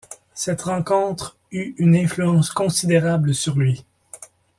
Cette rencontre eut une influence considérable sur lui.